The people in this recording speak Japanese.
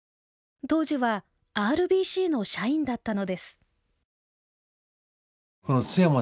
当時はＲＢＣの社員だったのです。